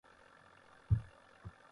(ݜ۔ ا۔ مث) باہوں کا ہالہ۔